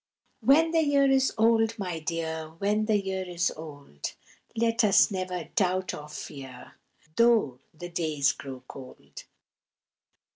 When the year is old, my dear, When the year is old, Let us never doubt or fear, Though the days grow cold.